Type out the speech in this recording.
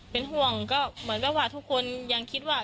เป็นห่วงก็เหมือนแบบว่าทุกคนยังคิดว่า